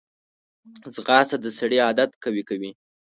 ځغاسته د سړي عادت قوي کوي